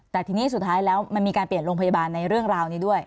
แต่ทีนี้สุดท้ายแล้วมันมีการเปลี่ยนโรงพยาบาลในเรื่องราวนี้ด้วย